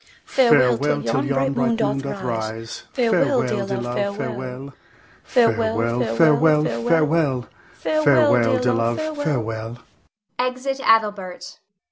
Both. Farewell, till yon bright moon doth rise, Farewell, dear love, farewell! Farewell, farewell, farewell! Farewell, dear love, farewell! [Exit Adelbert.